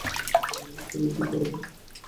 Unit vector এর দিক বরাবর।